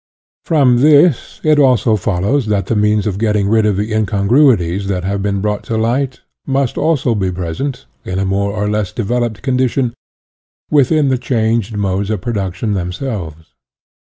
From this it also follows that the means of getting rid of the incongruities that have been brought to light, must also be present, in a more or less developed condition, within the changed modes of production them selves.